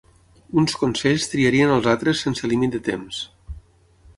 Uns consells triarien als altres sense límit de temps.